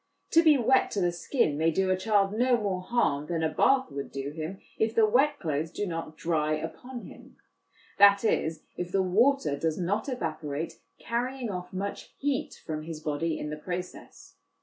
To be wet to the skin may do a child no more harm than a bath would do him, if the wet clothes do not dry upon him that is, if the water does not evaporate, carrying off much heat from his body in the process.